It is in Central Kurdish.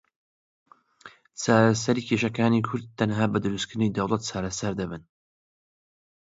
چارەسەری کێشەکانی کورد تەنیا بە دروستکردنی دەوڵەت چارەسەر دەبن.